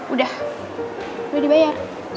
udah udah dibayar